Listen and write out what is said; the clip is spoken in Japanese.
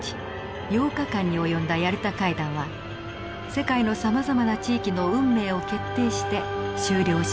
８日間に及んだヤルタ会談は世界のさまざまな地域の運命を決定して終了しました。